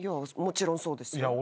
もちろんそうですよ。